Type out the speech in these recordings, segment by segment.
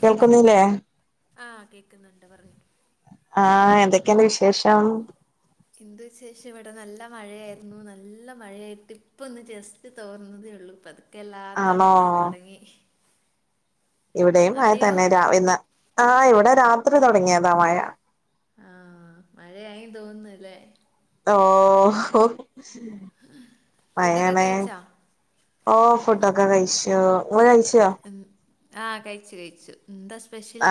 കേൾക്കുന്നില്ലേ ആഹ് കേക്കുന്നുണ്ട് പറഞ്ഞു ആ എ ന്തൊക്കേണ് വിശേഷം എന്ത്‌ വിശേഷം വടെ നല്ല മഴയായിരുന്നു ന്ന് നല്ല മഴയായിട്ട് ഇപ്പ ഒന്ന് ജസ്റ്റ് തോർന്നതേ ഒ ള്ളു പതുക്കെല്ലാം ആണോ തണുപ്പായി തുടങ്ങി ഇവിടെയും മഴ അവിടെയോ തന്നെ രാ ഇന്ന് ആ ഇവിടെ രാത്രി തുടങ്ങിയതാ മയ ആ മഴയായി തോന്ന്ന്നുല്ലേ ഓഹ് ഫുഡൊക്കെ മഴേണ് കഴിച്ചാ ഓ ഫു‌ടൊക്കെ കഴിച്ചു നിങ്ങൾ കഴി ഉം ആഹ് കഴിച്ചു കഴിച്ചു ന്താ സ്പെഷ്യൽ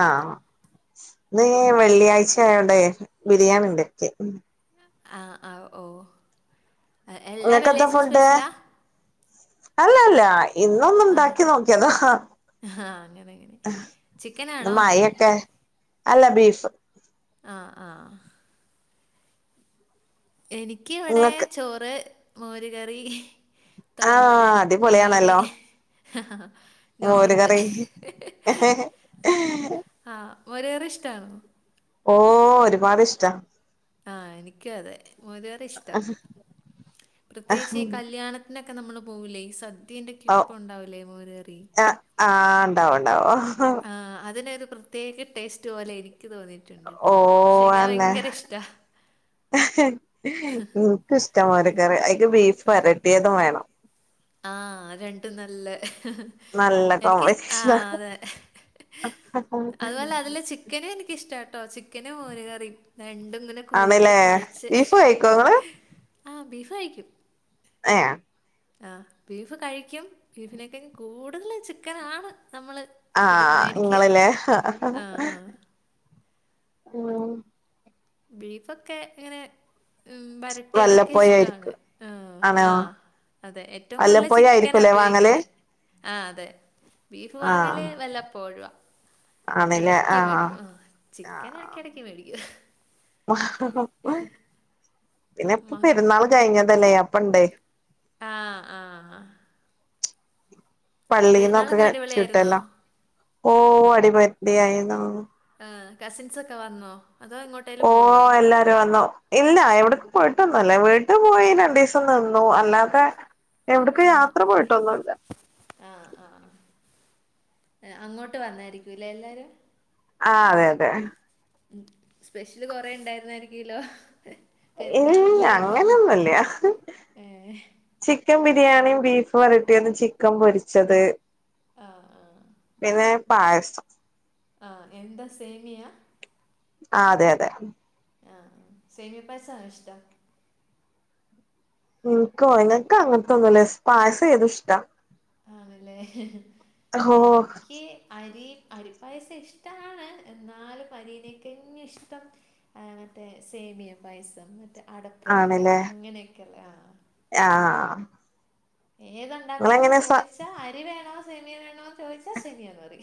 ന്ന് വെള്ളിയാഴ്ചായോണ്ട് ബിരിയാണി ഉണ്ട്ക്ക് ആഹ് ആ ഓ ആ, എല്ലാ ഇങ്ങക്ക് എന്താ വെള്ളിയാഴ്ചയും ഫുഡ് സ്പെഷ്യലാ അല്ല അല്ല ഇന്നൊന്ന് ണ്ടാക്കി നോക്കിയതാ ഹാ അങ്ങന ങ്ങനെ ചിക്കനാണോ മഴയൊക്കെ അല്ല ബീഫ് ആ ആ എനിക്ക് ഇവിടെ ഇങ്ങക്ക് ചോറ് മോര് കറി ആഹ് അടിപൊളിയാണല്ലോ ഹ് ഹ് ഹ മോര് കറിഹിഹി ഹേ മോര് കറി ഇഷ്ടാണ് ഓ ഒരുപാട്ഷ്ടാ ആഹ് എനിക്കു അതെ മോര് കറി ഇഷ്ട പ്രത്യേകിച്ച് കല്യാണ- നൊക്കെ നമ്മള്പോകൂലേ ഈ സദ്യന്റെക്കെ ഓ ഇപ്പണ്ടാവൂലേ മോര് കറി ണ്ടാവും ണ്ടാവോ ആ അതിനൊരു പ്രത്യേക ടേസ്റ്റ് പോലെ ഇരി എനിക്ക് ഓ തോന്നീട്ടുണ്ട്ട്ടോ പക്ഷെ എനിക്കാ ഭയങ്കര ഇഷ്ട ഹ് ഹ എനിക് ഇഷ്ടാ മോര് കറി അയി ക്ക് ബീഫ് വരട്ടിയതും വേണം ആഹ് രണ്ടും നല്ല ഹ് ഹ് നല്ല എനിക്ക് ആ കോമ്പിനേഷനാ അതെഹ് അതുപോലെ അതില ചിക്കന് എനിക്കിഷ്ട ട്ടോ ചിക്കനും മോര് കറി രണ്ടുങ്ങനെ കൂട്ടി ആണ്ല്ലേ കുഴച്ച് ബീഫ് കഴിക്കോ ഇങ്ങള് ആഹഹ് ബീഫ് കയിക്കും ഏ ആ ബീഫ് കഴിക്കും ബീഫിനെകായും കൂടുതൽ ചിക്കനാണ് നമ്മൾ എടു ആഹ് മേടിക്കുക ഇങ്ങള്ല്ലേ ആ ആ കൂമ് ബീഫൊക്കെ ങ്ങനെ ഉ വരട്ടി യ തൊക്കെ വല്ലപ്പോഴു ഇഷ്ടാണ് ആയിരിക്കും ആ ആണോ ആഹ് അതെ ഏറ്റവും കൂടുതൽ വല്ലപ്പോഴു ചിക്കനാ ആയിരിക്കുംല്ലേ വാങ്ങല് ഉപയോഗിക്കുന്നത് ആഹ് അതെ ബീഫ് ആ വാങ്ങല് വല്ലപ്പോഴുവാ എടക്കെ മേടിക്കൂ ആ ചിക്കന് ഇടക്ക ഇടക്ക് മേടിക്കും ഹാ ഹ് പിന്നെ ഇപ്പൊ മ- പെരുന്നാൾ കഴിഞ്ഞതല്ലെയ ആ ആ പെരുന്നാളൊക്കെ പള്ളിന്നൊക്കെ അടിപൊളിയായിരുന്നോ കിട്ടല്ല ഓ അടിമതി യായിതോനുന്നു ആ കസിൻസ് ഒക്കെ വന്നോ അതോ എങ്ങോട്ടേലും ഓ പോയോ എല്ലാരും അന്നോ ഇല്ല എവിട്ക്ക് വീട്ടൊന്നല്ലേ വീട്ടു പോയി രണ്ടീസം നിന്നു അല്ലാതെ എവിട്ക്കും ആ യാത്ര പോയിട്ടൊന്നുല്ല ആ ആ ആ. അങ്ങോട്ട് വന്നായിരിക്കൂലേ എല്ലാരും ആ അതെ അതെ ഉം സ്പെഷ്യല് കൊറെേ ഉ ണ്ടായിരുന്നായിരിക്കോല്ലോ ഏ അങ്ങനെയൊന്നുല്ല ഹ് ഏ ചിക്കൻ ബി - ബിരിയാണിയും ബീഫ് വരട്ടിയത് ചിക്കൻ പൊരിച്ചത് ആ പിന്നെ പായസം ആഹ് എന്താ സേമിയാ ആ അതെ അതെ ആഹ് സേമിയപ്പായസാ ഇഷ് നിനിക്കോ നിനക്ക് അങ്ങനത്തൊന്നുംല്ലേ പായസം ഏത ഇഷ്ട ആണല്ലേ ഹേ ഹേ എനിക്ക് അരി അരിപ്പായസം ഇഷ്ടമാണ് എന്നാലും പനീനക്കെ ഇഷ്ടം മറ്റേ സോമിയ പായസം മറ്റേ അടപ്രഥമൻ ആണല്ലേ അങ്ങനെയൊക്കെല്ലേ ആ ആ ഏതുണ്ടാക്കണമെന്ന് നിങ്ങളെങ്ങനെ സ ചോദിച്ചാ അരി വേണോ സെമീയ വേണോന്ന് ചോദിച്ചാ സേമിയ മതി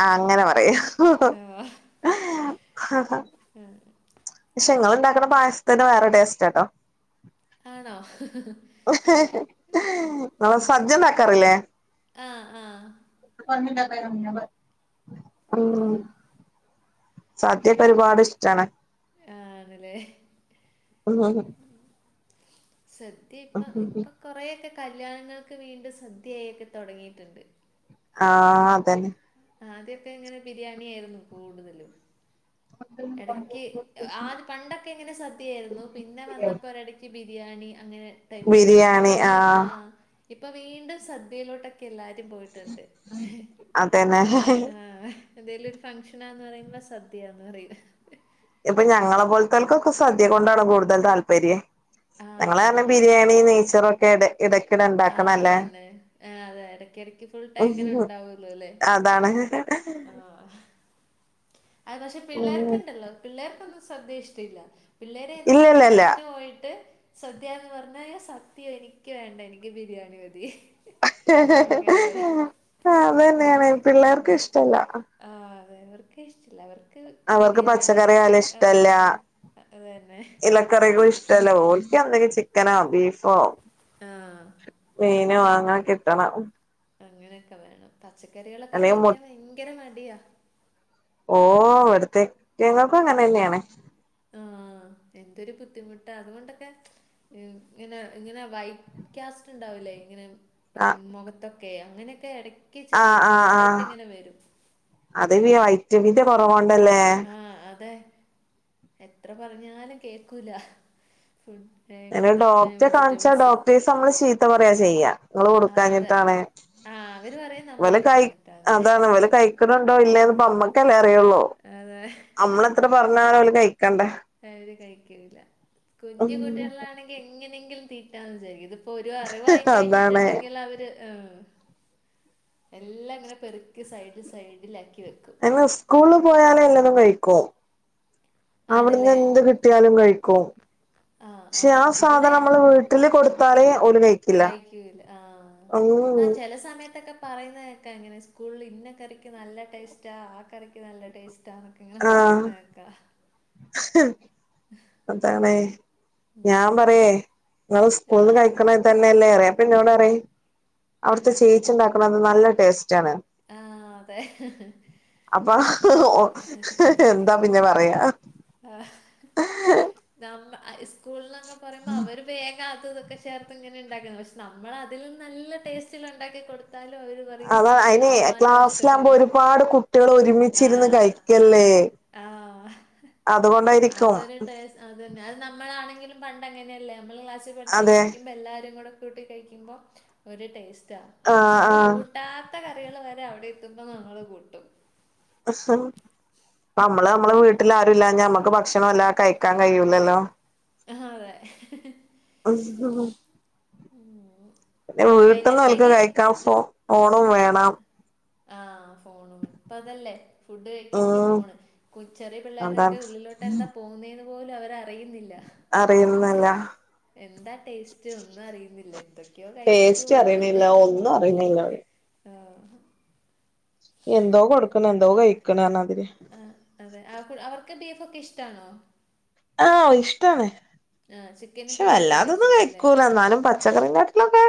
ആ അങ്ങനെ പറയാ ആ. പക്ഷെ നിങ്ങൾ ഉണ്ടാക്കുന്ന പായസത്തിന് വേറെ ടേസ്റ്റ്ട്ടോ ആണോ നമ്മള് സദ്യയുണ്ടാക്കാറില്ലേ ആ ആ ഉം സദ്യയക്കൊ ഉം. ഒരുപാട് ഇഷ്ടാണ് ആണല്ലേ സദ്യ ഇപ്പം ഇപ്പം കുറെേയൊക്കെ കല്യാണങ്ങൾക്ക് വീണ്ടും സദ്യയായിട്ടൊക്കെ തുടങ്ങിയിട്ടുണ്ട് ആ അതന്നെ ആ അദ്യമെക്കെ ഇങ്ങനെ ബിരിയാണി ആയിരുന്നു കൂടുതലും ഇടക്ക് ആ പണ്ടൊക്കെ ഇങ്ങനെ സദ്യയായിരുന്നു പിന്നെ വന്നപ്പോ ഒരിടയ്ക്ക് ബിരിയാണി അങ്ങനെ ടൈപ്പിലോട്ട് മാറി ഇപ്പൊ ബിരിയാണി ആ ആഹ് ഇപ്പൊ വീണ്ടും സദ്യയിലോട്ടൊക്കെയെല്ലാരും പോയിട്ടുണ്ട് അതന്നെ ആ ആ എന്തേലും ഒരു ഫങ്ങ്ഷനാന്ന് പറയുമ്പ സദ്യയാന്ന് പറയും ഇപ്പൊ ഞങ്ങളെ പോലത്തെക്കൊക്കെ സദ്യ കൊണ്ടാണ് കൂടുതൽ താല്പര്യം ആ ഞങ്ങള് പറഞ്ഞ ബിരിയാണി നെയ്ച്ചറും ഒക്കെ ഇടെ- ആ അതന്നെ ആ അതെ ഇടക്കിടക്ക് ഫുൾ ടൈം ഇങ്ങനെ ഉണ്ടാവല്ലോ അല്ലേ അതാണ് ആ അത് പക്ഷെ ഉം പിള്ളേർക്കണ്ടല്ലോ പിള്ളേർക്കൊന്നും സദ്യ ഇഷ്ടില്ല പിള്ളേര് ഏതെങ്കിലും ഇല്ലല്ലല്ല ഫംഗ്ഷന് പോയിട്ട് സദ്യയ എന്ന് പറഞ്ഞാ സത്യ എനിക്ക് വേണ്ട എനിക്ക് ബിരിയാണി മതി അങ്ങനെ പറയും ആ അത് തന്നെയാണ് പിള്ളേർക്ക് ഇഷ്ടല്ല ഇഷ്ടല്ലവർക്ക് അവർക്ക് ബിരിയാണി പച്ചക്കറിയായാലും ഇഷ്ടല്ല. അത് തന്നെ അച്ച- എന്തെങ്കും ചിക്കനോ ബീഫോ ആ മീനോ അങ്ങനെ കിട്ടണം അങ്ങനെയൊക്കെ വേണം പച്ചക്കറികളൊക്കെ അല്ലെങ്കി മു കഴിക്കാൻ ഭയങ്കര മടിയാ ഓ ഒരുത്തൻ ഞങ്ങൾക്കും അങ്ങനെ തന്നെയാണ് ആഹ് എന്തൊരു ബുദ്ധിമുട്ടാ അതുകൊണ്ടൊക്കെ ഇങ്ങനെ ഇങ്ങനെ വൈറ്റ് കാസ്റ്റ് ഉണ്ടാവലേ ഇങ്ങനെ ആ ഉം മുഖത്തൊക്കെ അങ്ങനെയൊക്കെ ഇട- ആ ആഹ് ആ അത് വയറ്റമിന്റെ കുറവാണ്ട് ആ അതെ എത്ര പറഞ്ഞാലും കേക്കൂല ഫുഡ് എതെലും ഇങ്ങനത്തെ ഡോക്ടറെ കാണിച്ചാ വെജിറ്റബിൾസ് ഡോക്ടറെ നമ്മള് ശീത്ത പറയാ ചെയ്യ നിങ്ങള് ആ അതെ കൊടുക്കഞ്ഞിട്ടാണ് ആ അവര് പറയും നമ്മൾ ഇവല് കൈ കൊടുക്കാഞ്ഞിട്ടാന്ന് അതാണ് ഇവില കൈ ക്കണുണ്ടോ ഇല്ലനീപ്പോ നമ്മക്കല്ലേ അറിയുള്ളൂ അതെ നമ്മള് എത്ര പറഞ്ഞാലും ഓല് കഴി- അവര് കഴിക്കില്ല കുഞ്ഞു ഉം കുട്ടികളിലാണെങ്കിൽ എങ്ങനെങ്കിലും തീട്ടാന്ന് വിചാരിക്കാം ഇപ്പൊ ഒരു അറിവായി അതാണ് കഴിഞ്ഞിട്ടുണ്ടെങ്കിൽ അവര് ആ എല്ലാം ഇങ്ങനെ പെറുക്കി സൈഡിൽ സൈഡിലാക്കി വെക്കും പിന്നെ സ്കൂളില് പോയാല്എല്ലാതും കഴിക്കും അവിടുന്ന് ആണല്ലേ എന്ത് കിട്ടിയാലും കഴിക്കും പക്ഷെ ആ സാധനം നമ്മള് വീട്ടില് കൊടുത്ത് കഴിക്കൂല്ല ആ ആ ഉം ചില സമയത്തൊക്കെ പറയുന്നതൊക്കെ അങ്ങനെ സ്കൂളിൽ ഇന്ന കറിക്ക് നല്ല ടേസ്റ്റാ ആ കറിക്ക് നല്ല ടേസ്റ്റ് ട്ടാനൊക്കെ ഇങ്ങനെ ആഹ് പറയുന്നകേക്കാ ആതാണ് ഞാൻ പറയേ നിങ്ങൾ ആ സ്കൂളന്ന് കഴിക്കണ ഇത് തന്നെയല്ലേ പറയു പിന്നെഓള് പറയും അവിടുത്തെ ചേച്ചി ഉണ്ടാക്കണ അത് നല്ല ടേസ്റ്റ് ടെസ്റ്റ് ആണ് ആ അതെ അപ്പൊ എന്താ പിന്നെ പറയ പറയാ [unintelligible] ആ ഹൈ സ്കൂളൊന്നൊക്കെ പറയുമ്പോ അവര് വേഗാ അതുമിതും ഒക്കെ ചേർത്ത് ഇങ്ങനെ ഉണ്ടാക്കണത്. പക്ഷെ നമ്മൾ അതിലും നല്ല ടേസ്റ്റില ഉണ്ടാക്കികൊടു- അതാ അയിനെ ക്ലാസ്സിലാകുമ്പോ ഇഷ്ടമൊക്കെയാണ് ഒരുപാട് കുട്ടികൾ ഒ ആ ഒരുമിച്ചിരുന്ന് കഴിക്കല്ലേ. അതെ ആ അതുകൊണ്ടായിരിക്കും അതൊരു ടേസ് അതന്നെ അത് നമ്മളാണെങ്കിലും പണ്ട് അങ്ങനെയല്ലേ. നമ്മൾ ക്ലാസ്സിൽ അതെ പഠിച്ചുകൊണ്ടിരിക്കുമ്പോ എല്ലാരും കൂടെ കൂട്ടി കഴിക്കുമ്പോ ഒരു ടേസ്റ്റ്. റ്റാ അത് ആഹ് നമ്മള് ആഹ് കൂട്ടാത്ത കറികള് വരെ അവിടെ എത്തുമ്പോ നമ്മൾ കൂട്ടും. [inaudible] നമ്മള് നമ്മളെ വീട്ടിൽ ആരും ഇല്ലായ്ന നമ്മക്ക് ഭക്ഷണം വെല്ലാതെ കഴിക്കാൻ കഴൂല്ലല്ലോ? അ അതെ [inaudible] പിന്നെ വീട്ടന്ന് ഓൽക്ക് വൈകുന്നേരത്തേക്ക് കഴിക്കാൻ ഫോ ഫോണും വേണം [inaudible] ഇപ്പോ അതല്ലേ ഫുഡ് കഴികങ്കി ഉം ഫോണ് ചെറിയ പിള്ളേരുടെക്കെ അതാണ് ഉള്ളിലോട്ട് എന്താ പോകുന്നെന്ന് പോലും അവർ അറിയുന്നില്ല. അറിയുന്നില്ല എന്താ ടേസ്റ്റേന്ന് ല്ല എന്ത [unintelligible] ടേസ്റ്റ് അറിയീണില്ല. ഒന്നും അറിയീണില്ല. ഓല് ആ എന്തോ കൊടുക്ക്ണ്, എന്തോ കഴിക്ക്ണ് പറഞ്ഞമാതിരിയാ. ആ അതെ അവർക്ക് ബീഫ ഒക്കെ ഇഷ്ടാണോ? ആ ഇഷ്ടാണേ. ആ ചിക്കനും പക്ഷെ ബീഫൊക്കെ വല്ലാതൊന്നും കഴിച്ചോളുംല്ലേ? കഴിക്കൂല, ന്നാലും പച്ചക്കറിയെ കാട്ടിലൊക്കെ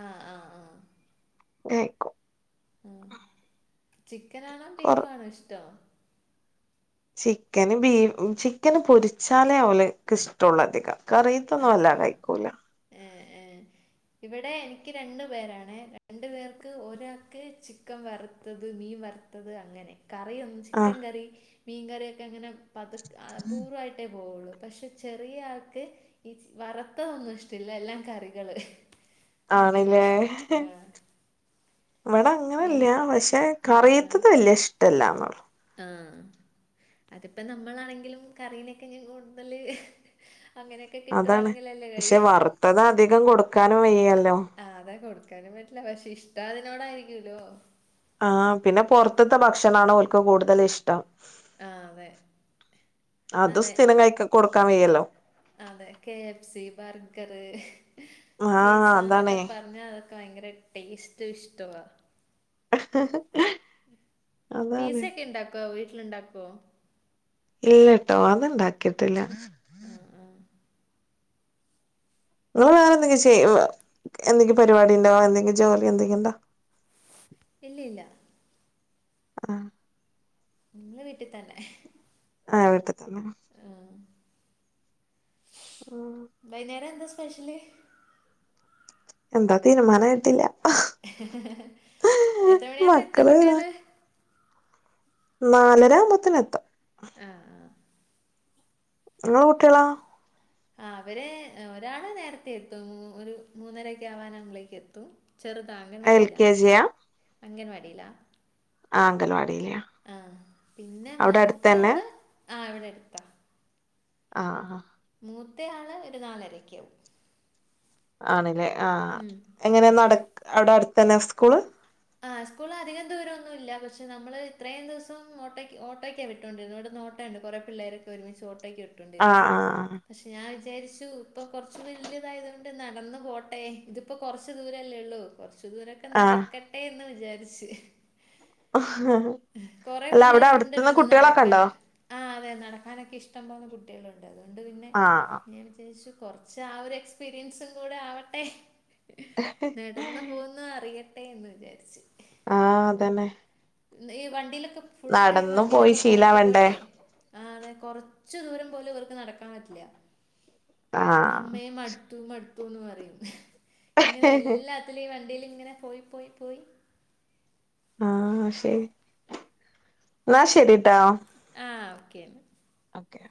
ആ ആ ആ ആയിക്കോട്ടെ ആ ചിക്കനാണോ കൊറ ബീഫാണോ ഇഷ്ട്ടം ചിക്കന് ബീഫ് ചിക്കന് പൊരിച്ചാലേ ഓൽക്ക് ഇഷ്ടള്ളൂ അധികം, ആ. കറീത്തൊന്നും വല്ലാതെ കഴിക്കൂല. ഏ ഏ. ഇവിടെ എനിക്ക് രണ്ടു പേരാണ്. രണ്ടു പേർക്ക്, ഒരാൾക്ക് ചിക്കൻ വറുത്തത് മീ ൻ വറുത്തത് അങ്ങനെ. കറിയൊന്നും ചിക്കൻ ആഹ് കറി മീൻ കറിയൊക്കെ അങ്ങനെ പതുക്കെ അപൂർവമായിട്ടേ പോവുള്ളൂ. പക്ഷെ ചെറിയ ആൾക്ക് ഈ വറുത്തതൊന്നും ഇഷ്ടില്ല. എല്ലാം കറികള് അങ്ങനെയാ. ആണ്ലെ ആ. ഇവിടെ രൺ അങ്ങനല്ല. പക്ഷെ ആ ആ കറീത്തത് വലിയ ഇഷ്ടല്ലാന്നോളു. ആ അതിപ്പോ നമ്മളാണെങ്കിലും കറിനേകാ കൂടുതല് ഹ് അതാണ് പക്ഷെ വറുത്തത് അധികം കൊടുക്കാനും വെയ്യ ആ അതാ കൊടുക്കാനും പറ്റില്ല. പക്ഷെ ഇഷ്ടം അതിനോടായിരികോലോ ആ പിന്നെ പുറത്തത്തെ ഭക്ഷണാണ് ഓർക്ക് കൂടുതൽ ഇഷ്ടം. ആ അതെ അതും അതെ സ്ഥിരം കഴിക്ക കൊടുക്കാൻ വയ്യല്ലോ? അതെ കെ എഫ് സി, ബർഗർ, ആഹ് അതാണേ പിസന്നൊക്കെ പറഞ്ഞ ഭയങ്കര ടേസ്റ്റും ഇഷ്ടവാ. [inaudible] പീസ അതാണ് ഒക്കെ ണ്ടാക്കുവോ വീട്ടിലുണ്ടാക്കുവോ ഇല്ലട്ടോ അത്ണ്ടാക്കിട്ടില്ല ആ ആ നിങ്ങൾ വേറെ എന്തെങ്കിലും ചെയ്യാ. എന്തെങ്കിലും പരിപാടി ഉണ്ടോ? എന്തെങ്കിലും ജോലി എന്തെങ്കിണ്ടോ ഇല്ല ഇല്ല ആ ഇന്ന് വീട്ടി തന്നെ ആഹ് വീട്ട് തന്നെ ഉം വൈന്നേരം എന്താ സ്പെഷ്യല് എന്താ തീരുമാനം ആയിട്ടില്ല എത്ര മണിയാവുമ്പോ എത്തും കുട്ടികള് നാലരാബത്തേനേത്തും ആഹ് ആഹ് ഇങ്ങളെ കുട്ട്യാളൊ? ആഹ് അവര് ഒരാള് നേരത്തെ എത്തും. ഒരു മൂന്നരക്കെ ആവാൻ ആവുമ്പളേക്ക് എത്തും. ചെറുതാ എൽ അഗൻവാടില്ലാ കെ ജിയാ അംഗൻവാടില്ലാ. ആ അങ്കൽവാടി ആഹ് പിന്നെ അടുത്ത് മൂത്തെ തന്നെ ആള് ആഹ് ഇവിടെ അടുത്താ ആഹ ആ മൂത്ത ആള് ഒര് നാലരക്കാവും. ആണ്ല്ലേ ആഹ് എങ്ങനെ നടക്ക് അവിടെ അടുത്തന്നെ സ്കൂള്? ആഹ് സ്കൂള് അധികം ദൂരൊന്നുല്ല. പഷേ നമ്മള് ഇത്രയും ദിവസം ഓട്ട ഓട്ടോക്കെ വിട്ടോണ്ടിരുന്നേ വട്ന്ന് ഓട്ടോ രണ്ട് കൊറെ പിള്ളേരൊക്കെ ഒരുമിച്ച് ഓട്ടോക്ക് ആ വിട്ടോണ്ടിരുന്നേ. ആ പഷ് ഞാ വിചാര്ച്ചു ഇപ്പൊ കൊർച്ചു വല്യതായതോണ്ട് നടന്നു പോട്ടെ ഇത്പ്പോ കൊർച്ച് ദൂരല്ലേ ഉള്ളൂ. കുറച്ച് ആ ചൂരട്ട്നടക്കട്ടെന്ന് വിചാരിച്ച് കുറേ അല്ല അവിടെ പിള്ളേരുണ്ട് അടുത്ത്ന്ന് ഇവിടുന്ന് നടക്കാൻ കുട്ട്യളൊക്കെണ്ടോ ആ അതെ നടക്കാനൊക്കെ ഇഷ്ടം പോലെ കുട്ട്യാളുണ്ട് അതുകൊണ്ട് പിന്നെ ആ ഞാൻ വിചാച്ചു കൊർച്ച് ആ ഒരു എക്സ്പീരിയൻസും കൂടെ ആവട്ടെ നടന്ന് പോവുന്ന അറിയ ട്ടേന്ന് വിചാര്ച്ചു. ആഹ് അതന്നെ. ഈ വണ്ടിയിലൊക്കെ ഫുൾ ടൈം നടന്നും പോയി വണ്ടിയിലൊക്കെ പോയിട്ട് ശീലാവണ്ടേ പോയിട്ടേ ആന്നെ കൊർ ച്ചു ദൂരം പോലും ഇവർക്ക് നടക്കാൻ പറ്റില്ല. ആഹ്. ത്തൂന്ന് പറയും ഇങ്ങനെ എല്ലാത്തില് വണ്ടില് ഇങ്ങനെ പോയി പോയി പോയി ആഹ് ശരി ന്നാ ശരിട്ടോ ആ ഓക്കേ ഓക്കെ